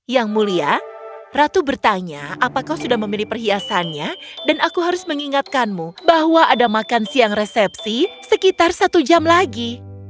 yang mulia ratu bertanya apakah kau sudah memilih perhiasannya dan aku harus mengingatkanmu bahwa ada makan siang resepsi sekitar satu jam lagi